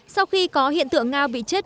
sau khi có hiện tượng ngao bị chết